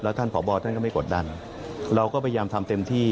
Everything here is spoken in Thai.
ท่านผอบอท่านก็ไม่กดดันเราก็พยายามทำเต็มที่